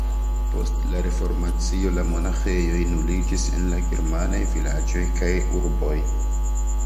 Post la Reformacio la monaĥejoj nuliĝis en la germanaj vilaĝoj kaj urboj.